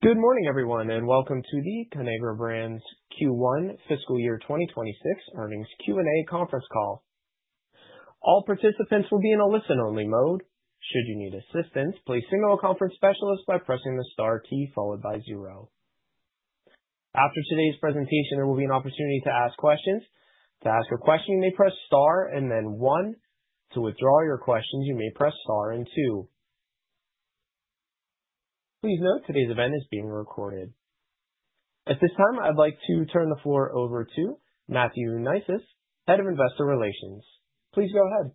Good morning, everyone, and welcome to the Conagra Brands Q1 fiscal year 2026 earnings Q&A conference call. All participants will be in a listen-only mode. Should you need assistance, please signal a conference specialist by pressing the star key followed by zero. After today's presentation, there will be an opportunity to ask questions. To ask a question, you may press star and then one. To withdraw your questions, you may press star and two. Please note today's event is being recorded. At this time, I'd like to turn the floor over to Matthew Neisius, Head of Investor Relations. Please go ahead.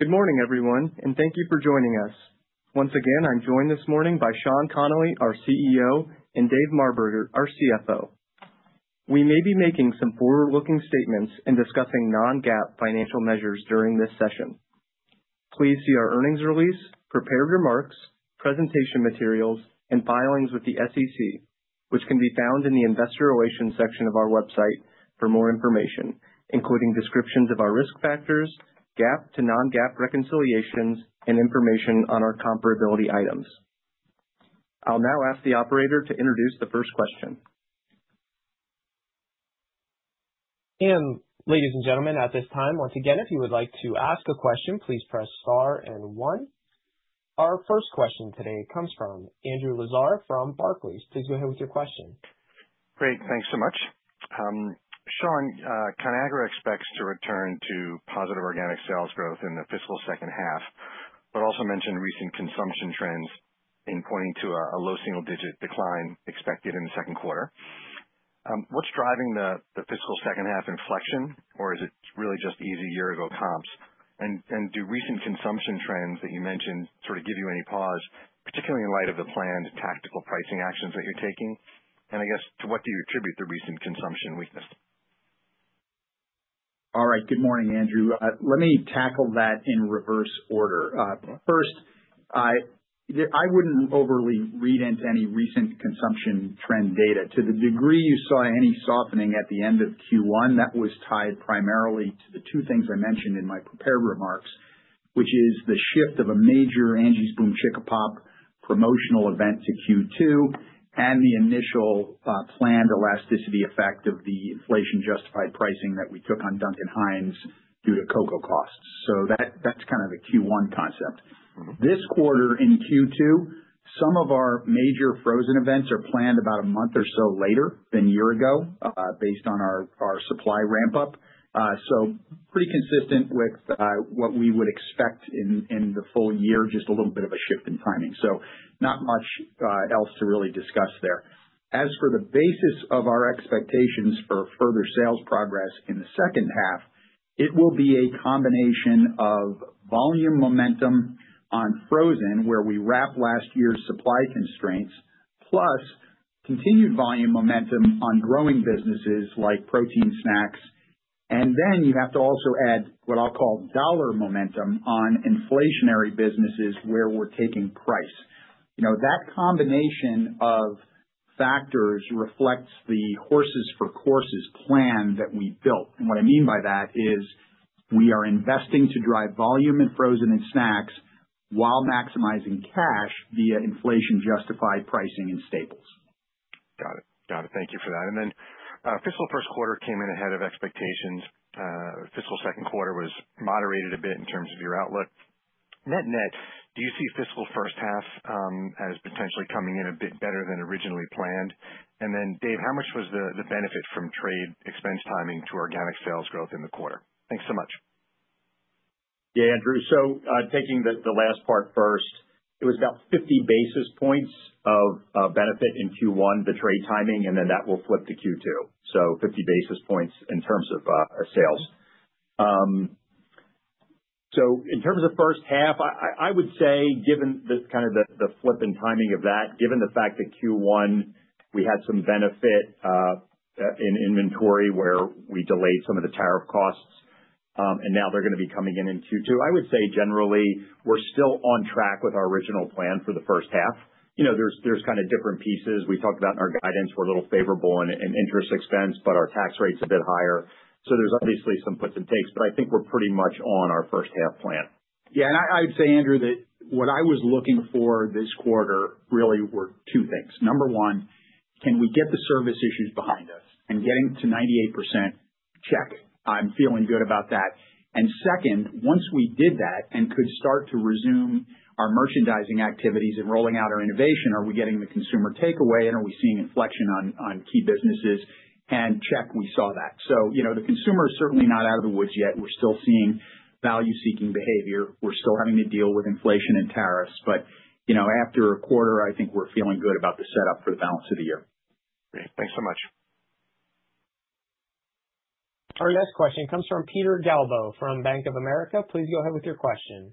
Good morning, everyone, and thank you for joining us. Once again, I'm joined this morning by Sean Connolly, our CEO, and Dave Marberger, our CFO. We may be making some forward-looking statements and discussing non-GAAP financial measures during this session. Please see our earnings release, prepared remarks, presentation materials, and filings with the SEC, which can be found in the Investor Relations section of our website for more information, including descriptions of our risk factors, GAAP to non-GAAP reconciliations, and information on our comparability items. I'll now ask the operator to introduce the first question. Ladies and gentlemen, at this time, once again, if you would like to ask a question, please press star and one. Our first question today comes from Andrew Lazar from Barclays. Please go ahead with your question. Great. Thanks so much. Sean, Conagra expects to return to positive organic sales growth in the fiscal second half but also mentioned recent consumption trends in pointing to a low single-digit decline expected in the second quarter. What's driving the fiscal second half inflection, or is it really just easy year-ago comps? And do recent consumption trends that you mentioned sort of give you any pause, particularly in light of the planned tactical pricing actions that you're taking? And I guess, to what do you attribute the recent consumption weakness? All right. Good morning, Andrew. Let me tackle that in reverse order. First, I wouldn't overly read into any recent consumption trend data. To the degree you saw any softening at the end of Q1, that was tied primarily to the two things I mentioned in my prepared remarks, which is the shift of a major Angie's BOOMCHICKAPOP promotional event to Q2 and the initial planned elasticity effect of the inflation-justified pricing that we took on Duncan Hines due to cocoa costs. So that's kind of the Q1 concept. This quarter, in Q2, some of our major frozen events are planned about a month or so later than year-ago based on our supply ramp-up. So pretty consistent with what we would expect in the full year, just a little bit of a shift in timing. So not much else to really discuss there. As for the basis of our expectations for further sales progress in the second half, it will be a combination of volume momentum on frozen, where we wrap last year's supply constraints, plus continued volume momentum on growing businesses like protein snacks, and then you have to also add what I'll call dollar momentum on inflationary businesses, where we're taking price. That combination of factors reflects the horses-for-courses plan that we built, and what I mean by that is we are investing to drive volume in frozen and snacks while maximizing cash via inflation-justified pricing in staples. Got it. Got it. Thank you for that. And then fiscal first quarter came in ahead of expectations. Fiscal second quarter was moderated a bit in terms of your outlook. Net-net, do you see fiscal first half as potentially coming in a bit better than originally planned? And then, Dave, how much was the benefit from trade expense timing to organic sales growth in the quarter? Thanks so much. Yeah, Andrew, so taking the last part first, it was about 50 basis points of benefit in Q1, the trade timing, and then that will flip to Q2. So, 50 basis points in terms of sales. In terms of first half, I would say, given kind of the flip in timing of that, given the fact that Q1 we had some benefit in inventory where we delayed some of the tariff costs, and now they're going to be coming in in Q2, I would say generally we're still on track with our original plan for the first half. There's kind of different pieces we talked about in our guidance. We're a little favorable in interest expense, but our tax rate's a bit higher. There's obviously some puts and takes, but I think we're pretty much on our first half plan. Yeah. And I would say, Andrew, that what I was looking for this quarter really were two things. Number one, can we get the service issues behind us and getting to 98%? Check. I'm feeling good about that. And second, once we did that and could start to resume our merchandising activities and rolling out our innovation, are we getting the consumer takeaway and are we seeing inflection on key businesses? And check, we saw that. So the consumer is certainly not out of the woods yet. We're still seeing value-seeking behavior. We're still having to deal with inflation and tariffs. But after a quarter, I think we're feeling good about the setup for the balance of the year. Great. Thanks so much. Our next question comes from Peter Galbo from Bank of America. Please go ahead with your question.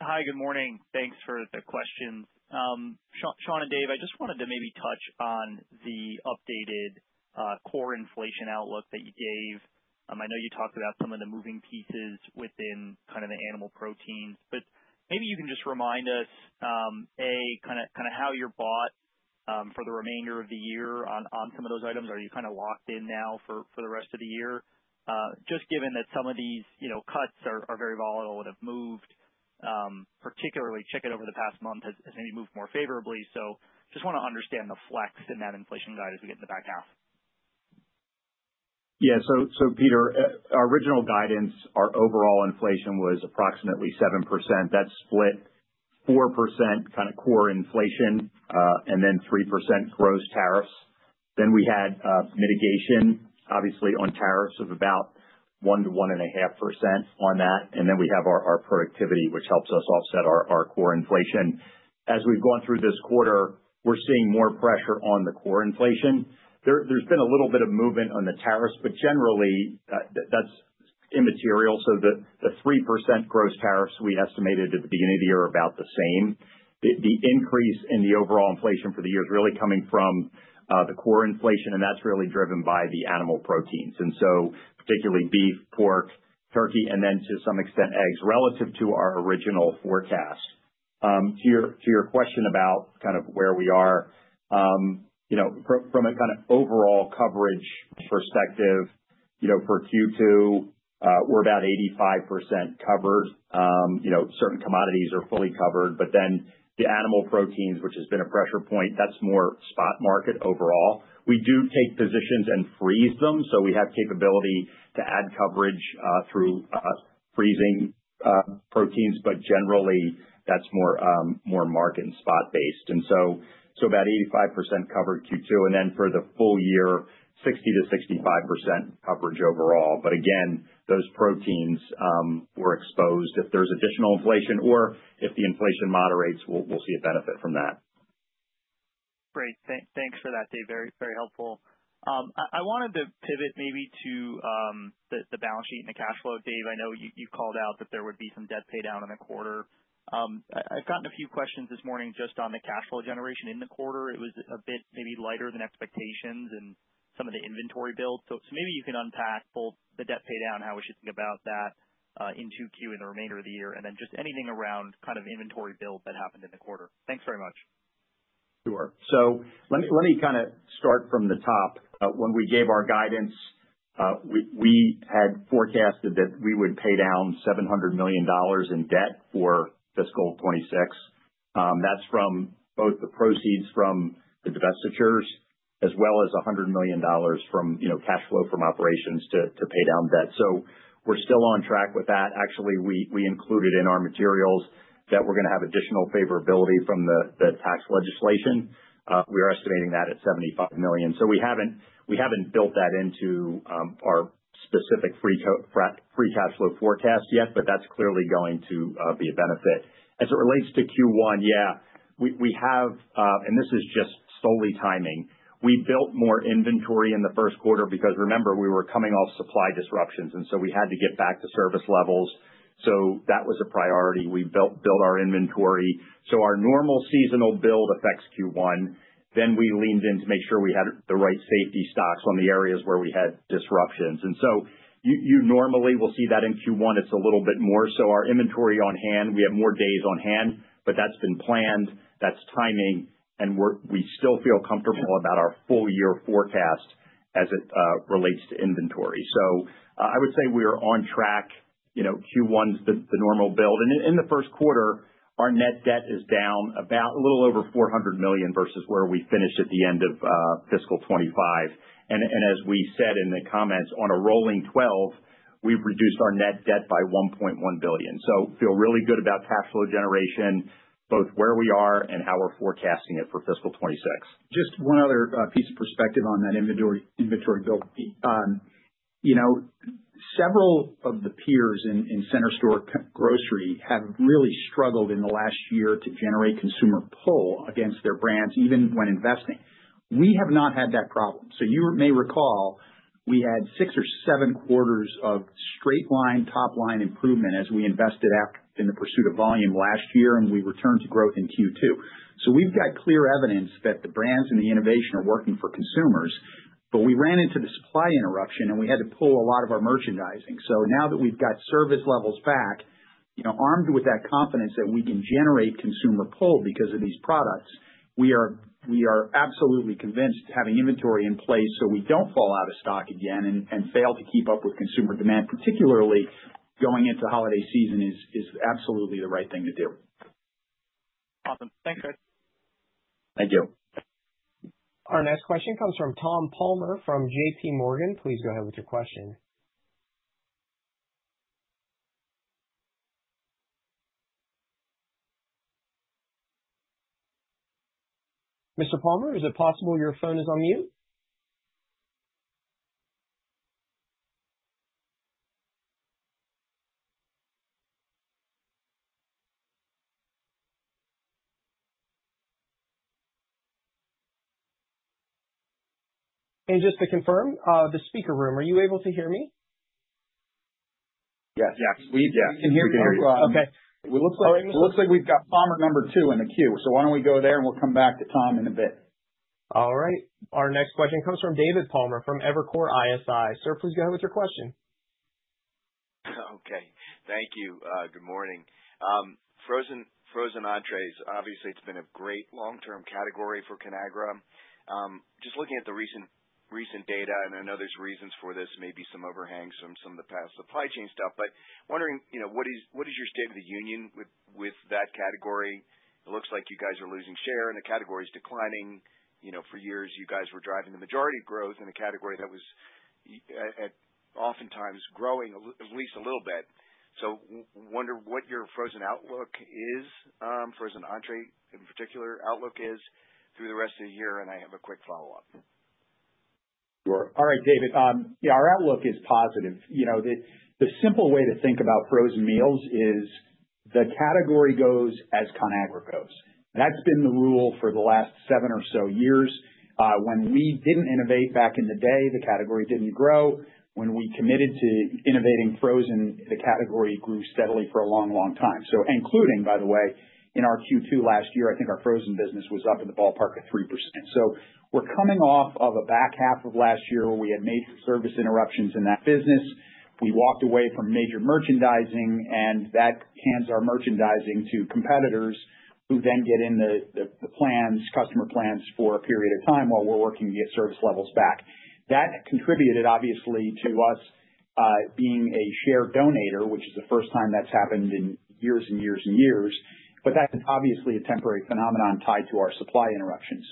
Hi, good morning. Thanks for the questions. Sean and Dave, I just wanted to maybe touch on the updated core inflation outlook that you gave. I know you talked about some of the moving pieces within kind of the animal proteins, but maybe you can just remind us, A, kind of how you're bought for the remainder of the year on some of those items. Are you kind of locked in now for the rest of the year? Just given that some of these cuts are very volatile and have moved, particularly chicken over the past month has maybe moved more favorably. So just want to understand the flex in that inflation guide as we get into the back half. Yeah. So Peter, our original guidance, our overall inflation was approximately 7%. That split 4% kind of core inflation and then 3% gross tariffs. Then we had mitigation, obviously, on tariffs of about 1%-1.5% on that. And then we have our productivity, which helps us offset our core inflation. As we've gone through this quarter, we're seeing more pressure on the core inflation. There's been a little bit of movement on the tariffs, but generally that's immaterial. So the 3% gross tariffs we estimated at the beginning of the year are about the same. The increase in the overall inflation for the year is really coming from the core inflation, and that's really driven by the animal proteins. And so particularly beef, pork, turkey, and then to some extent eggs relative to our original forecast. To your question about kind of where we are, from a kind of overall coverage perspective for Q2, we're about 85% covered. Certain commodities are fully covered. But then the animal proteins, which has been a pressure point, that's more spot market overall. We do take positions and freeze them. So we have capability to add coverage through freezing proteins, but generally that's more market and spot-based. And so about 85% covered Q2. And then for the full year, 60%-65% coverage overall. But again, those proteins were exposed. If there's additional inflation or if the inflation moderates, we'll see a benefit from that. Great. Thanks for that, Dave. Very helpful. I wanted to pivot maybe to the balance sheet and the cash flow. Dave, I know you called out that there would be some debt pay down in the quarter. I've gotten a few questions this morning just on the cash flow generation in the quarter. It was a bit maybe lighter than expectations and some of the inventory build. So maybe you can unpack both the debt pay down, how we should think about that in Q2 and the remainder of the year, and then just anything around kind of inventory build that happened in the quarter. Thanks very much. Sure. So let me kind of start from the top. When we gave our guidance, we had forecasted that we would pay down $700 million in debt for fiscal 2026. That's from both the proceeds from the divestitures as well as $100 million from cash flow from operations to pay down debt. So we're still on track with that. Actually, we included in our materials that we're going to have additional favorability from the tax legislation. We are estimating that at $75 million. So we haven't built that into our specific free cash flow forecast yet, but that's clearly going to be a benefit. As it relates to Q1, yeah, we have, and this is just solely timing, we built more inventory in the first quarter because remember, we were coming off supply disruptions, and so we had to get back to service levels. So that was a priority. We built our inventory so our normal seasonal build affects Q1. Then we leaned in to make sure we had the right safety stocks on the areas where we had disruptions, and so you normally will see that in Q1. It's a little bit more so our inventory on hand, we have more days on hand, but that's been planned. That's timing, and we still feel comfortable about our full-year forecast as it relates to inventory. I would say we are on track. Q1's the normal build, and in the first quarter, our net debt is down a little over $400 million versus where we finished at the end of fiscal 2025. As we said in the comments, on a rolling 12, we've reduced our net debt by $1.1 billion. Feel really good about cash flow generation, both where we are and how we're forecasting it for fiscal 2026. Just one other piece of perspective on that inventory build. Several of the peers in Center Store grocery have really struggled in the last year to generate consumer pull against their brands, even when investing. We have not had that problem. You may recall we had six or seven quarters of straight line, top line improvement as we invested in the pursuit of volume last year, and we returned to growth in Q2. We've got clear evidence that the brands and the innovation are working for consumers, but we ran into the supply interruption and we had to pull a lot of our merchandising. So now that we've got service levels back, armed with that confidence that we can generate consumer pull because of these products, we are absolutely convinced having inventory in place so we don't fall out of stock again and fail to keep up with consumer demand, particularly going into holiday season, is absolutely the right thing to do. Awesome. Thanks, guys. Thank you. Our next question comes from Tom Palmer from JPMorgan. Please go ahead with your question. Mr. Palmer, is it possible your phone is on mute? And just to confirm, the speaker room, are you able to hear me? Yes. Okay. It looks like we've got Palmer number two in the queue, so why don't we go there and we'll come back to Tom in a bit. All right. Our next question comes from David Palmer from Evercore ISI. Sir, please go ahead with your question. Okay. Thank you. Good morning. Frozen entrees, obviously, it's been a great long-term category for Conagra. Just looking at the recent data, and I know there's reasons for this, maybe some overhangs from some of the past supply chain stuff, but wondering what is your state of the union with that category? It looks like you guys are losing share and the category is declining. For years, you guys were driving the majority of growth in a category that was oftentimes growing at least a little bit. So wonder what your frozen outlook is, frozen entree in particular outlook is through the rest of the year, and I have a quick follow-up. Sure. All right, David. Yeah, our outlook is positive. The simple way to think about frozen meals is the category goes as Conagra goes. That's been the rule for the last seven or so years. When we didn't innovate back in the day, the category didn't grow. When we committed to innovating frozen, the category grew steadily for a long, long time. So including, by the way, in our Q2 last year, I think our frozen business was up in the ballpark of 3%. So we're coming off of a back half of last year where we had major service interruptions in that business. We walked away from major merchandising, and that hands our merchandising to competitors who then get in the plans, customer plans for a period of time while we're working to get service levels back. That contributed, obviously, to us being a share donor, which is the first time that's happened in years and years and years, but that's obviously a temporary phenomenon tied to our supply interruption.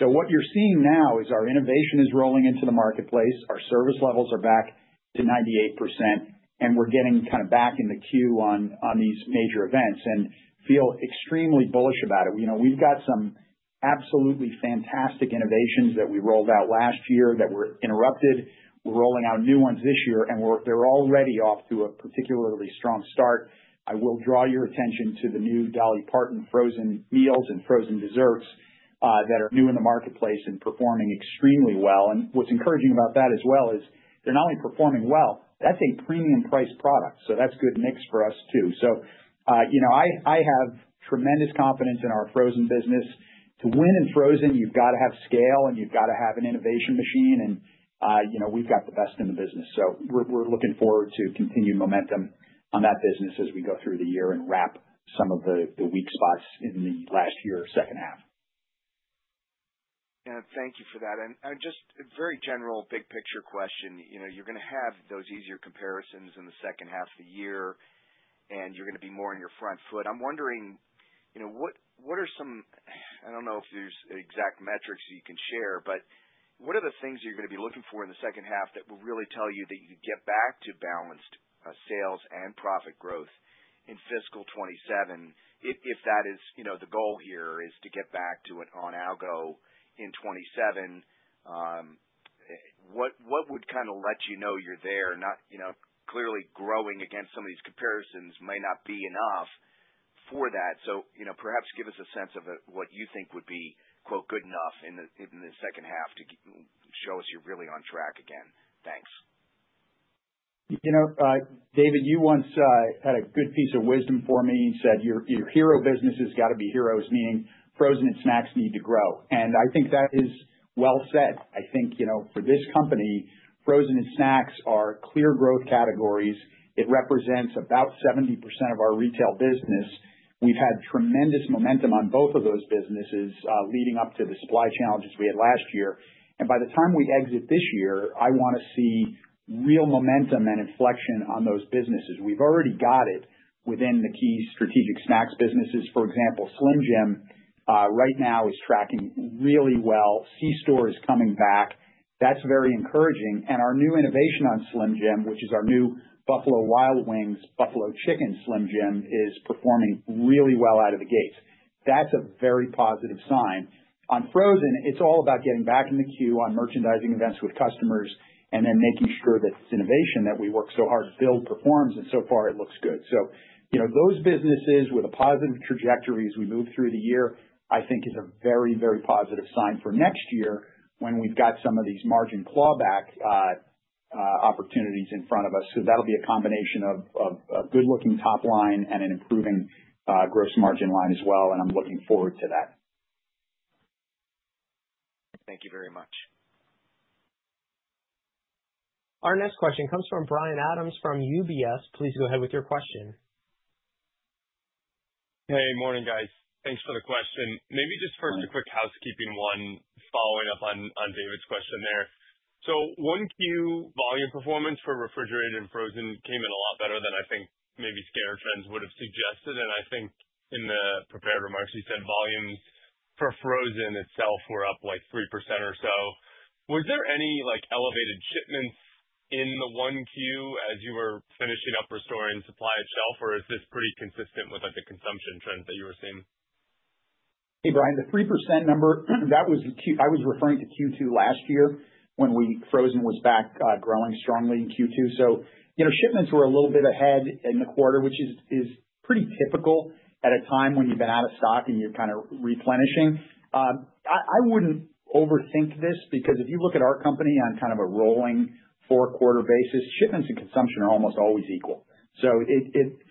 So what you're seeing now is our innovation is rolling into the marketplace. Our service levels are back to 98%, and we're getting kind of back in the queue on these major events and feel extremely bullish about it. We've got some absolutely fantastic innovations that we rolled out last year that were interrupted. We're rolling out new ones this year, and they're already off to a particularly strong start. I will draw your attention to the new Dolly Parton frozen meals and frozen desserts that are new in the marketplace and performing extremely well, and what's encouraging about that as well is they're not only performing well, that's a premium-priced product. So that's a good mix for us too. So I have tremendous confidence in our frozen business. To win in frozen, you've got to have scale, and you've got to have an innovation machine, and we've got the best in the business. So we're looking forward to continued momentum on that business as we go through the year and wrap some of the weak spots in the last year's second half. Yeah. Thank you for that. And just a very general big picture question. You're going to have those easier comparisons in the second half of the year, and you're going to be more on your front foot. I'm wondering what are some, I don't know if there's exact metrics you can share, but what are the things you're going to be looking for in the second half that will really tell you that you could get back to balanced sales and profit growth in fiscal 2027? If that is the goal here, is to get back to an on-algo 2027, what would kind of let you know you're there? Not clearly growing against some of these comparisons may not be enough for that. So perhaps give us a sense of what you think would be "good enough" in the second half to show us you're really on track again. Thanks. David, you once had a good piece of wisdom for me. You said, "Your hero business has got to be heroes," meaning frozen and snacks need to grow, and I think that is well said. I think for this company, frozen and snacks are clear growth categories. It represents about 70% of our retail business. We've had tremendous momentum on both of those businesses leading up to the supply challenges we had last year, and by the time we exit this year, I want to see real momentum and inflection on those businesses. We've already got it within the key strategic snacks businesses. For example, Slim Jim right now is tracking really well. Center Store is coming back. That's very encouraging, and our new innovation on Slim Jim, which is our new Buffalo Wild Wings Buffalo Chicken Slim Jim, is performing really well out of the gates. That's a very positive sign. On frozen, it's all about getting back in the queue on merchandising events with customers and then making sure that it's innovation that we work so hard to build performs. And so far, it looks good. So those businesses with positive trajectories we move through the year, I think, is a very, very positive sign for next year when we've got some of these margin clawback opportunities in front of us. So that'll be a combination of a good-looking top line and an improving gross margin line as well. And I'm looking forward to that. Thank you very much. Our next question comes from Bryan Adams from UBS. Please go ahead with your question. Hey, morning, guys. Thanks for the question. Maybe just first a quick housekeeping one following up on David's question there. So 1Q volume performance for refrigerated and frozen came in a lot better than I think maybe scan trends would have suggested. And I think in the prepared remarks, you said volumes for frozen itself were up like 3% or so. Was there any elevated shipments in the 1Q as you were finishing up restoring supply at shelf, or is this pretty consistent with the consumption trends that you were seeing? Hey, Bryan, the 3% number, that was. I was referring to Q2 last year when frozen was back growing strongly in Q2. So shipments were a little bit ahead in the quarter, which is pretty typical at a time when you've been out of stock and you're kind of replenishing. I wouldn't overthink this because if you look at our company on kind of a rolling four-quarter basis, shipments and consumption are almost always equal. So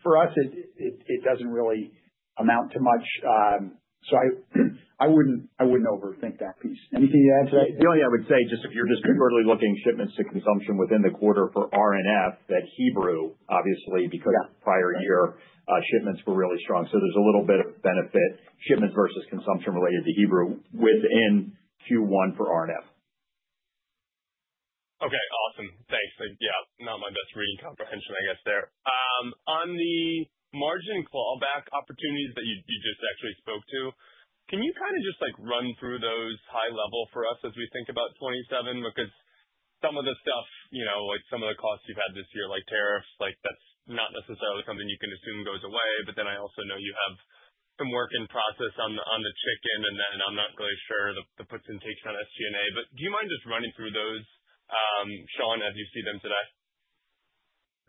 for us, it doesn't really amount to much. So I wouldn't overthink that piece. Anything to add to that? The only thing I would say, just if you're just purely looking shipments to consumption within the quarter for R&F, that Hebrew, obviously, because prior year shipments were really strong. So there's a little bit of benefit shipments versus consumption related to Hebrew within Q1 for R&F. Okay. Awesome. Thanks. Yeah. Not my best reading comprehension, I guess, there. On the margin clawback opportunities that you just actually spoke to, can you kind of just run through those high level for us as we think about 2027? Because some of the stuff, like some of the costs you've had this year, like tariffs, that's not necessarily something you can assume goes away. But then I also know you have some work in process on the chicken, and then I'm not really sure the puts and takes on SG&A. But do you mind just running through those, Sean, as you see them today?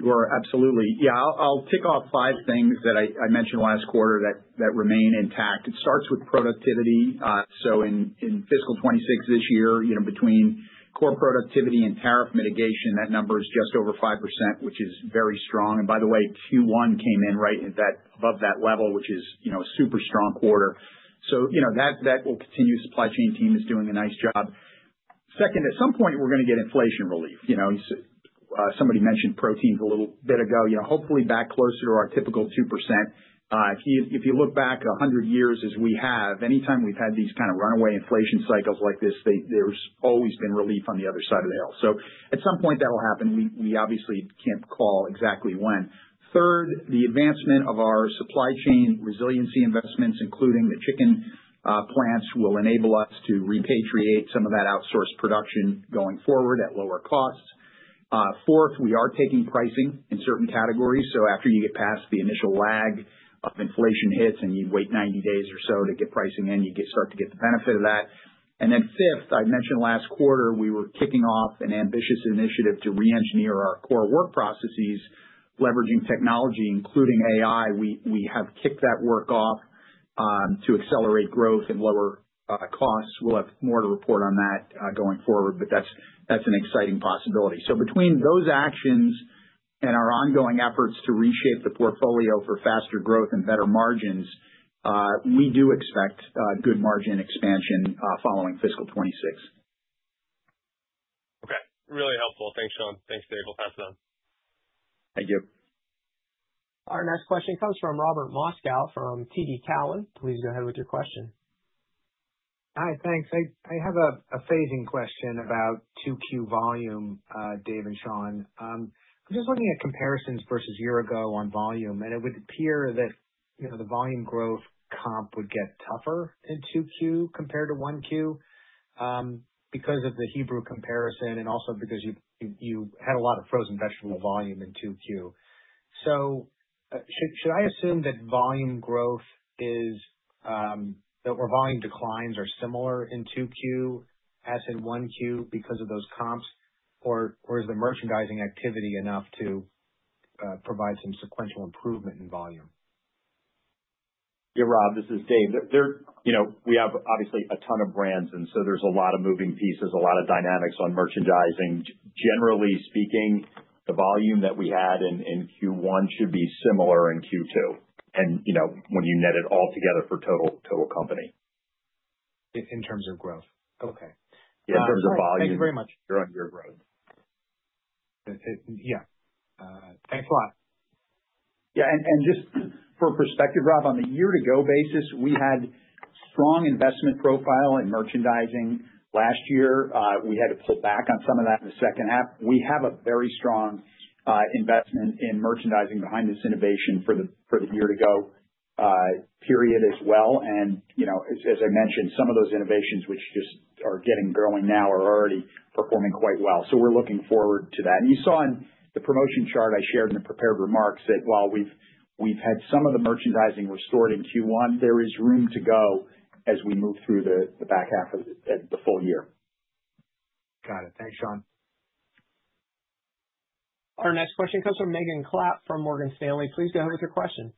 Sure. Absolutely. Yeah. I'll tick off five things that I mentioned last quarter that remain intact. It starts with productivity. So in fiscal 2026 this year, between core productivity and tariff mitigation, that number is just over 5%, which is very strong. And by the way, Q1 came in right above that level, which is a super strong quarter. So that will continue. The supply chain team is doing a nice job. Second, at some point, we're going to get inflation relief. Somebody mentioned proteins a little bit ago. Hopefully, back closer to our typical 2%. If you look back 100 years as we have, anytime we've had these kind of runaway inflation cycles like this, there's always been relief on the other side of the hill. So at some point, that'll happen. We obviously can't call exactly when. Third, the advancement of our supply chain resiliency investments, including the chicken plants, will enable us to repatriate some of that outsourced production going forward at lower costs. Fourth, we are taking pricing in certain categories, so after you get past the initial lag of inflation hits and you wait 90 days or so to get pricing in, you start to get the benefit of that, and then fifth, I mentioned last quarter, we were kicking off an ambitious initiative to re-engineer our core work processes, leveraging technology, including AI. We have kicked that work off to accelerate growth and lower costs. We'll have more to report on that going forward, but that's an exciting possibility, so between those actions and our ongoing efforts to reshape the portfolio for faster growth and better margins, we do expect good margin expansion following fiscal 2026. Okay. Really helpful. Thanks, Sean. Thanks, David. We'll pass it on. Thank you. Our next question comes from Robert Moskow from TD Cowen. Please go ahead with your question. Hi. Thanks. I have a phasing question about 2Q volume, David and Sean. I'm just looking at comparisons versus a year ago on volume, and it would appear that the volume growth comp would get tougher in 2Q compared to 1Q because of the Hebrew comparison and also because you had a lot of frozen vegetable volume in 2Q. So should I assume that volume growth is or volume declines are similar in 2Q as in 1Q because of those comps, or is the merchandising activity enough to provide some sequential improvement in volume? Yeah, Rob, this is Dave. We have obviously a ton of brands, and so there's a lot of moving pieces, a lot of dynamics on merchandising. Generally speaking, the volume that we had in Q1 should be similar in Q2 when you net it all together for total company. In terms of growth. Okay. Yeah. In terms of volume. Thank you very much. You're on your growth. Yeah. Thanks a lot. Yeah. And just for perspective, Rob, on the year-to-go basis, we had a strong investment profile in merchandising last year. We had to pull back on some of that in the second half. We have a very strong investment in merchandising behind this innovation for the year-to-go period as well. And as I mentioned, some of those innovations which just are getting going now are already performing quite well. So we're looking forward to that. And you saw in the promotion chart I shared in the prepared remarks that while we've had some of the merchandising restored in Q1, there is room to go as we move through the back half of the full year. Got it. Thanks, Sean. Our next question comes from Megan Clapp from Morgan Stanley. Please go ahead with your question.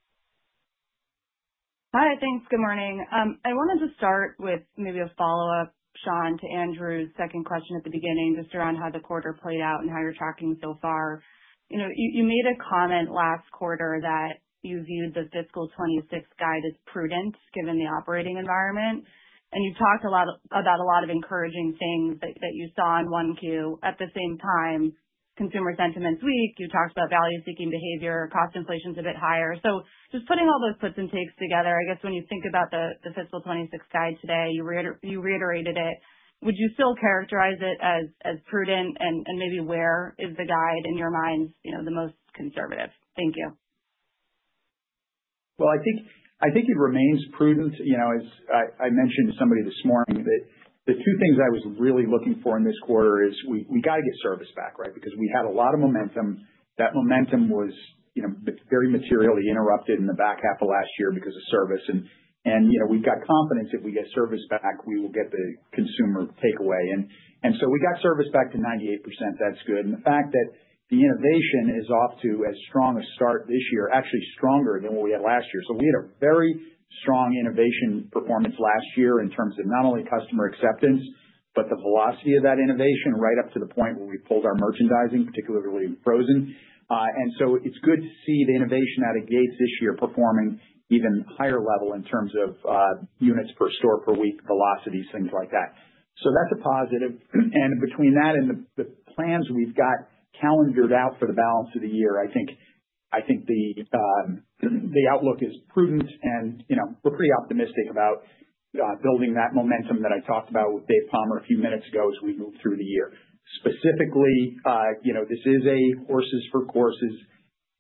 Hi. Thanks. Good morning. I wanted to start with maybe a follow-up, Sean, to Andrew's second question at the beginning just around how the quarter played out and how you're tracking so far. You made a comment last quarter that you viewed the fiscal 2026 guide as prudent given the operating environment, and you've talked about a lot of encouraging things that you saw in Q1. At the same time, consumer sentiment's weak. You talked about value-seeking behavior. Cost inflation's a bit higher. So just putting all those puts and takes together, I guess when you think about the fiscal 2026 guide today, you reiterated it. Would you still characterize it as prudent, and maybe where is the guide in your mind the most conservative? Thank you. I think it remains prudent. As I mentioned to somebody this morning, the two things I was really looking for in this quarter is we got to get service back, right, because we had a lot of momentum. That momentum was very materially interrupted in the back half of last year because of service. We've got confidence if we get service back, we will get the consumer takeaway. We got service back to 98%. That's good. The fact that the innovation is off to as strong a start this year, actually stronger than what we had last year. We had a very strong innovation performance last year in terms of not only customer acceptance, but the velocity of that innovation right up to the point where we pulled our merchandising, particularly in frozen. And so it's good to see the innovation out of the gate this year performing even higher level in terms of units per store per week, velocities, things like that. So that's a positive. And between that and the plans we've got calendared out for the balance of the year, I think the outlook is prudent, and we're pretty optimistic about building that momentum that I talked about with Dave Palmer a few minutes ago as we move through the year. Specifically, this is a horses-for-courses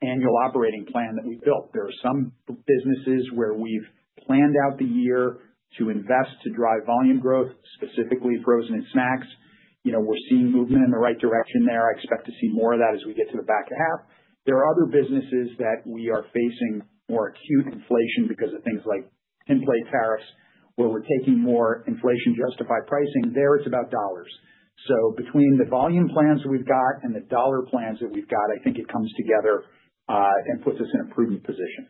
annual operating plan that we built. There are some businesses where we've planned out the year to invest to drive volume growth, specifically frozen and snacks. We're seeing movement in the right direction there. I expect to see more of that as we get to the back half. There are other businesses that we are facing more acute inflation because of things like tinplate tariffs where we're taking more inflation-justified pricing. There, it's about dollars. So between the volume plans we've got and the dollar plans that we've got, I think it comes together and puts us in a prudent position.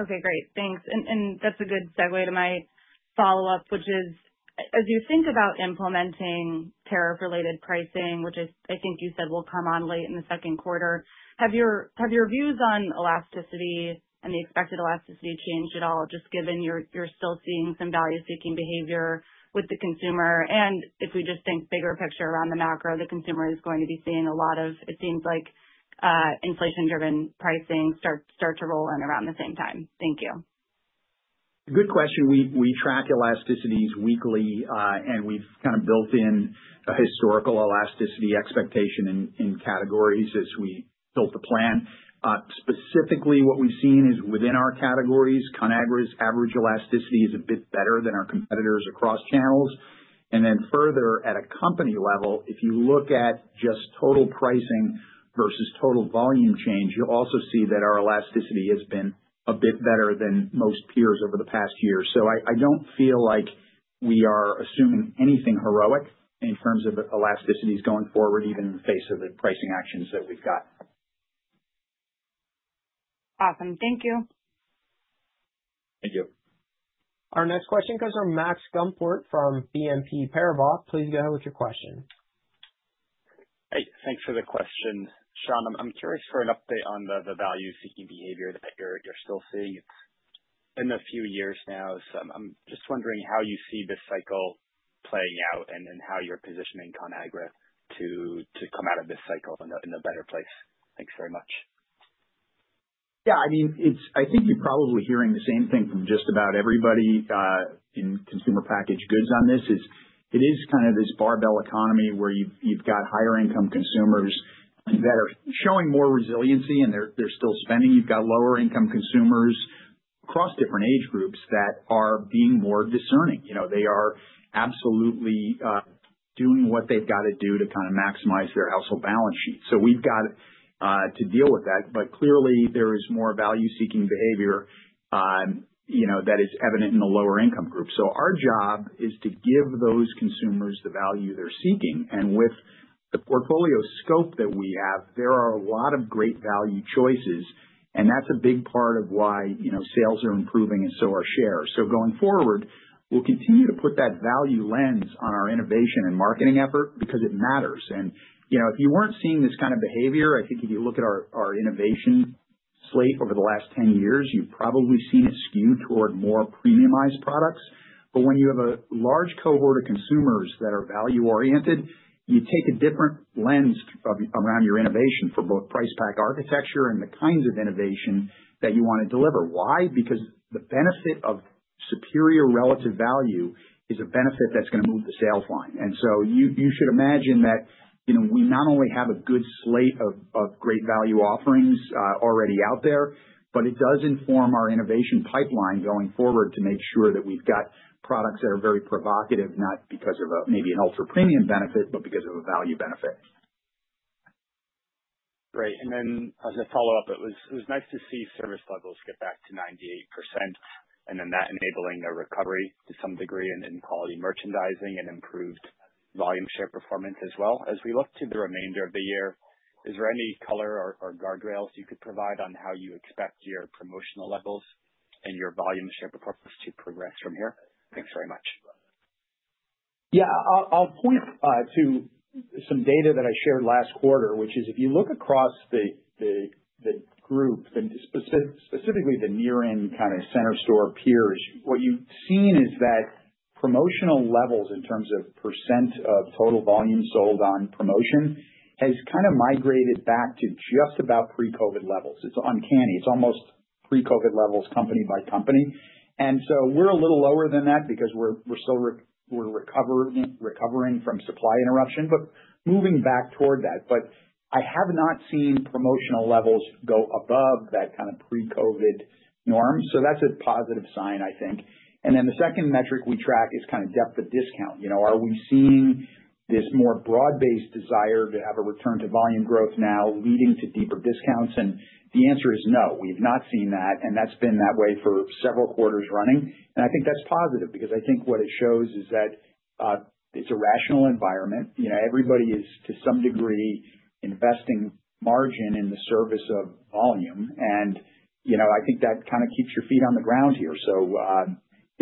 Okay. Great. Thanks. And that's a good segue to my follow-up, which is, as you think about implementing tariff-related pricing, which I think you said will come on late in the second quarter, have your views on elasticity and the expected elasticity changed at all, just given you're still seeing some value-seeking behavior with the consumer? And if we just think bigger picture around the macro, the consumer is going to be seeing a lot of, it seems like, inflation-driven pricing start to roll in around the same time. Thank you. Good question. We track elasticities weekly, and we've kind of built in a historical elasticity expectation in categories as we built the plan. Specifically, what we've seen is within our categories, Conagra's average elasticity is a bit better than our competitors across channels. And then further, at a company level, if you look at just total pricing versus total volume change, you'll also see that our elasticity has been a bit better than most peers over the past year. So I don't feel like we are assuming anything heroic in terms of elasticities going forward, even in the face of the pricing actions that we've got. Awesome. Thank you. Thank you. Our next question comes from Max Gumport from BNP Paribas. Please go ahead with your question. Hey. Thanks for the question. Sean, I'm curious for an update on the value-seeking behavior that you're still seeing. It's been a few years now. So I'm just wondering how you see this cycle playing out and how you're positioning Conagra to come out of this cycle in a better place? Thanks very much. Yeah. I mean, I think you're probably hearing the same thing from just about everybody in consumer packaged goods on this. It is kind of this barbell economy where you've got higher-income consumers that are showing more resiliency, and they're still spending. You've got lower-income consumers across different age groups that are being more discerning. They are absolutely doing what they've got to do to kind of maximize their household balance sheet. So we've got to deal with that. But clearly, there is more value-seeking behavior that is evident in the lower-income group. So our job is to give those consumers the value they're seeking. And with the portfolio scope that we have, there are a lot of great value choices, and that's a big part of why sales are improving and so are shares. So going forward, we'll continue to put that value lens on our innovation and marketing effort because it matters. And if you weren't seeing this kind of behavior, I think if you look at our innovation slate over the last 10 years, you've probably seen it skew toward more premiumized products. But when you have a large cohort of consumers that are value-oriented, you take a different lens around your innovation for both price-pack architecture and the kinds of innovation that you want to deliver. Why? Because the benefit of superior relative value is a benefit that's going to move the sales line. And so you should imagine that we not only have a good slate of great value offerings already out there, but it does inform our innovation pipeline going forward to make sure that we've got products that are very provocative, not because of maybe an ultra-premium benefit, but because of a value benefit. Great. And then as a follow-up, it was nice to see service levels get back to 98%, and then that enabling a recovery to some degree in quality merchandising and improved volume share performance as well. As we look to the remainder of the year, is there any color or guardrails you could provide on how you expect your promotional levels and your volume share performance to progress from here? Thanks very much. Yeah. I'll point to some data that I shared last quarter, which is if you look across the group, specifically the near-end kind of Center Store peers, what you've seen is that promotional levels in terms of percent of total volume sold on promotion has kind of migrated back to just about pre-COVID levels. It's uncanny. It's almost pre-COVID levels company by company. And so we're a little lower than that because we're recovering from supply interruption, but moving back toward that. But I have not seen promotional levels go above that kind of pre-COVID norm. So that's a positive sign, I think. And then the second metric we track is kind of depth of discount. Are we seeing this more broad-based desire to have a return to volume growth now leading to deeper discounts? And the answer is no. We have not seen that, and that's been that way for several quarters running. And I think that's positive because I think what it shows is that it's a rational environment. Everybody is, to some degree, investing margin in the service of volume. And I think that kind of keeps your feet on the ground here. So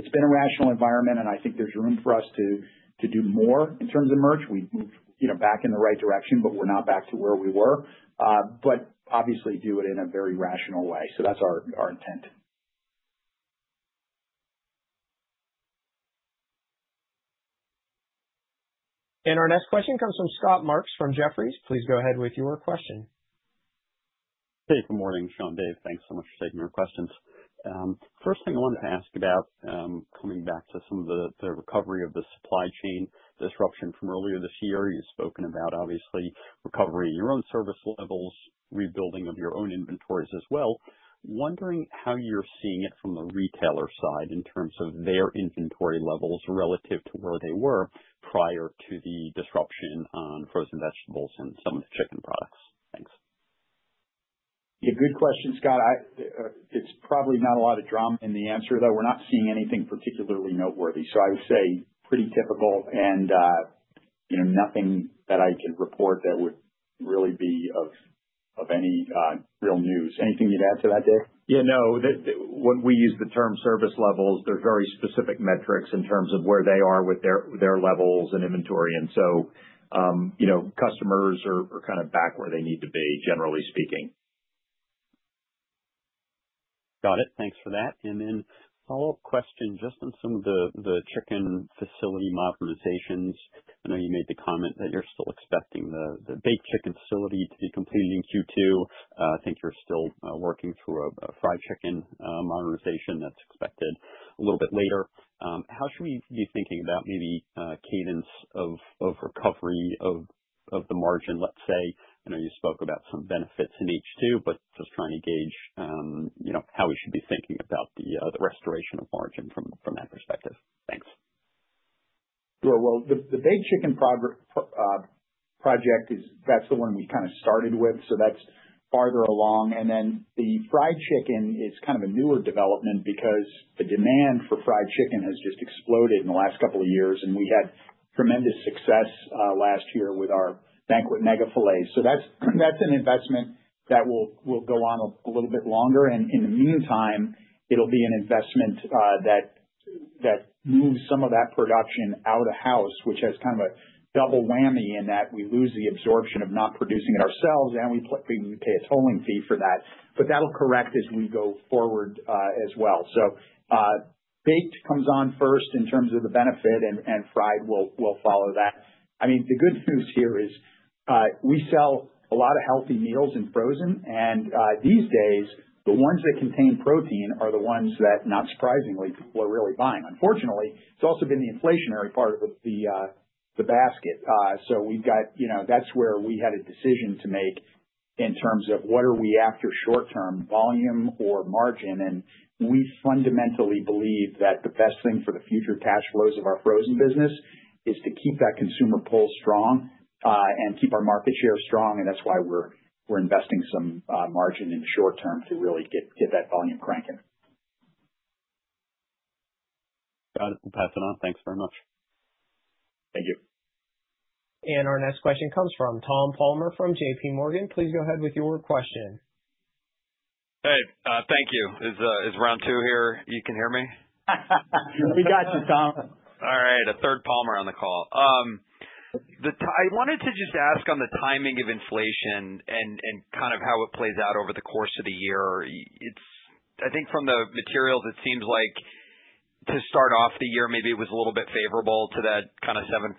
it's been a rational environment, and I think there's room for us to do more in terms of merch. We've moved back in the right direction, but we're not back to where we were, but obviously do it in a very rational way. So that's our intent. And our next question comes from Scott Marks from Jefferies. Please go ahead with your question. Hey. Good morning, Sean. Dave, thanks so much for taking our questions. First thing I wanted to ask about coming back to some of the recovery of the supply chain disruption from earlier this year. You've spoken about, obviously, recovery in your own service levels, rebuilding of your own inventories as well. Wondering how you're seeing it from the retailer side in terms of their inventory levels relative to where they were prior to the disruption on frozen vegetables and some of the chicken products. Thanks. Yeah. Good question, Scott. It's probably not a lot of drama in the answer, though. We're not seeing anything particularly noteworthy. So I would say pretty typical and nothing that I can report that would really be of any real news. Anything you'd add to that, Dave? Yeah. No. When we use the term service levels, there's very specific metrics in terms of where they are with their levels and inventory. And so customers are kind of back where they need to be, generally speaking. Got it. Thanks for that. And then follow-up question just on some of the chicken facility modernizations. I know you made the comment that you're still expecting the baked chicken facility to be completed in Q2. I think you're still working through a fried chicken modernization that's expected a little bit later. How should we be thinking about maybe cadence of recovery of the margin, let's say? I know you spoke about some benefits in H2, but just trying to gauge how we should be thinking about the restoration of margin from that perspective. Thanks. Sure. Well, the baked chicken project, that's the one we kind of started with. So that's farther along. And then the fried chicken is kind of a newer development because the demand for fried chicken has just exploded in the last couple of years, and we had tremendous success last year with our Banquet MEGA Filets. So that's an investment that will go on a little bit longer. And in the meantime, it'll be an investment that moves some of that production out of house, which has kind of a double whammy in that we lose the absorption of not producing it ourselves, and we pay a tolling fee for that. But that'll correct as we go forward as well. So baked comes on first in terms of the benefit, and fried will follow that. I mean, the good news here is we sell a lot of healthy meals in frozen, and these days, the ones that contain protein are the ones that, not surprisingly, people are really buying. Unfortunately, it's also been the inflationary part of the basket. So, that's where we had a decision to make in terms of what are we after: short-term volume or margin. And we fundamentally believe that the best thing for the future cash flows of our frozen business is to keep that consumer pull strong and keep our market share strong. And that's why we're investing some margin in the short term to really get that volume cranking. Got it. We'll pass it on. Thanks very much. Thank you. And our next question comes from Tom Palmer from JPMorgan. Please go ahead with your question. Hey. Thank you. Is round two here? You can hear me? We got you, Tom. All right. The third Palmer on the call. I wanted to just ask on the timing of inflation and kind of how it plays out over the course of the year. I think from the materials, it seems like to start off the year, maybe it was a little bit favorable to that kind of 7%+.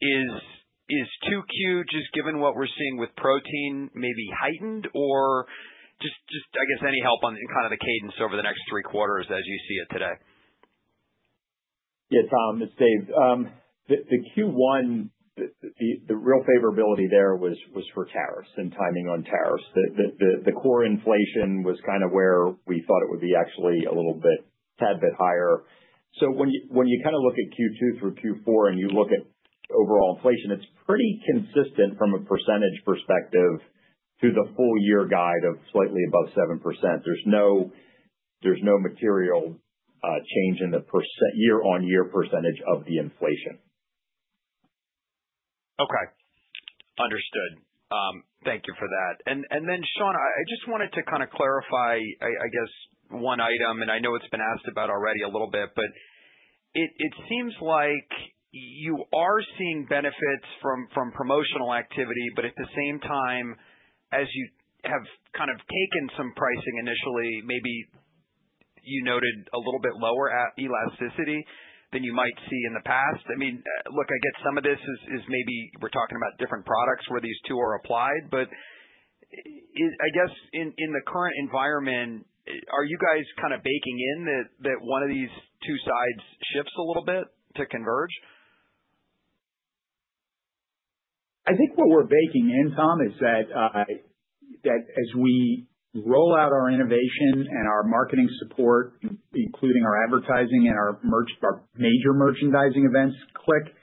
Is Q2, just given what we're seeing with protein, maybe heightened? Or just, I guess, any help on kind of the cadence over the next three quarters as you see it today? Yeah. Tom, it's Dave. The Q1, the real favorability there was for tariffs and timing on tariffs. The core inflation was kind of where we thought it would be, actually a little bit tad bit higher. So when you kind of look at Q2 through Q4 and you look at overall inflation, it's pretty consistent from a percentage perspective to the full-year guide of slightly above 7%. There's no material change in the year-on-year percentage of the inflation. Okay. Understood. Thank you for that. And then, Sean, I just wanted to kind of clarify, I guess, one item. And I know it's been asked about already a little bit, but it seems like you are seeing benefits from promotional activity, but at the same time, as you have kind of taken some pricing initially, maybe you noted a little bit lower elasticity than you might see in the past. I mean, look, I get some of this is maybe we're talking about different products where these two are applied. But I guess in the current environment, are you guys kind of baking in that one of these two sides shifts a little bit to converge? I think what we're baking in, Tom, is that as we roll out our innovation and our marketing support, including our advertising and our major merchandising events, like,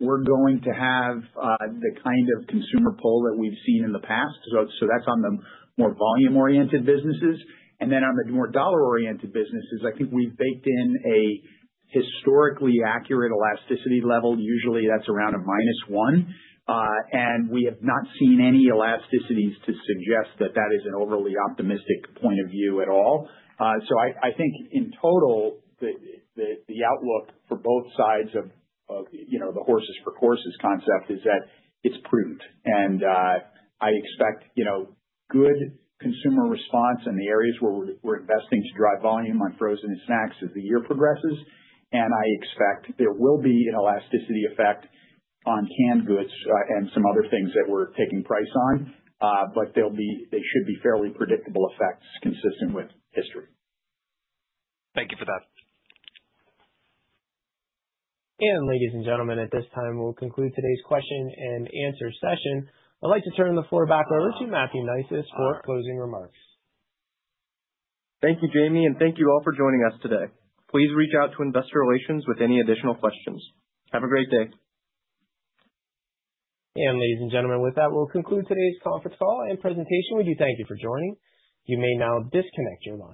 we're going to have the kind of consumer pull that we've seen in the past. So that's on the more volume-oriented businesses. And then on the more dollar-oriented businesses, I think we've baked in a historically accurate elasticity level. Usually, that's around a minus one. And we have not seen any elasticities to suggest that that is an overly optimistic point of view at all. So I think in total, the outlook for both sides of the horses-for-courses concept is that it's prudent. And I expect good consumer response in the areas where we're investing to drive volume on frozen snacks as the year progresses. I expect there will be an elasticity effect on canned goods and some other things that we're taking price on, but they should be fairly predictable effects consistent with history. Thank you for that. Ladies and gentlemen, at this time, we'll conclude today's question and answer session. I'd like to turn the floor back over to Matthew Neisius for closing remarks. Thank you, Jamie, and thank you all for joining us today. Please reach out to Investor Relations with any additional questions. Have a great day. And ladies and gentlemen, with that, we'll conclude today's conference call and presentation. We do thank you for joining. You may now disconnect your line.